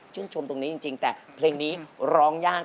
ชมตรงนี้จริงแต่เพลงนี้ร้องยาก